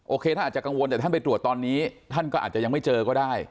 ท่านอาจจะกังวลแต่ท่านไปตรวจตอนนี้ท่านก็อาจจะยังไม่เจอก็ได้